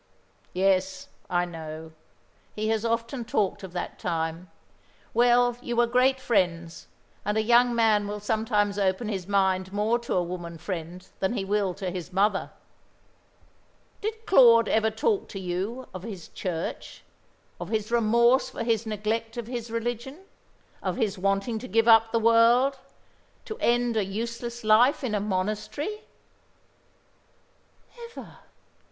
"Yes, I know. He has often talked of that time. Well, you were great friends; and a young man will sometimes open his mind more to a woman friend than he will to his mother. Did Claude ever talk to you of his Church, of his remorse for his neglect of his religion, of his wanting to give up the world, to end a useless life in a monastery?" "Never."